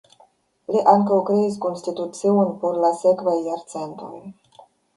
Li ankaŭ kreis konstitucion por la sekvaj jarcentoj.